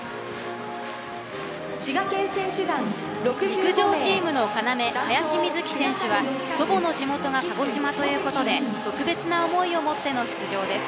陸上チームの要林瑞妃選手は祖母の地元が鹿児島ということで特別な思いを持っての出場です。